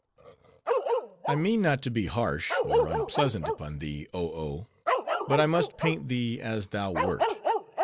I mean not to be harsh, or unpleasant upon thee, Oh Oh; but I must paint thee as thou wert.